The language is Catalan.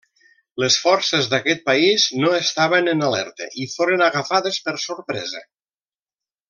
Les forces d'aquest país no estaven en alerta i foren agafades per sorpresa.